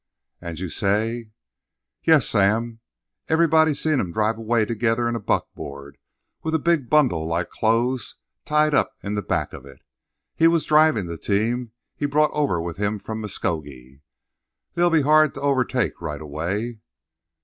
"And you say—" "Yes, Sam. Everybody seen 'em drive away together in a buckboard, with a big bundle, like clothes, tied up in the back of it. He was drivin' the team he brought over with him from Muscogee. They'll be hard to overtake right away."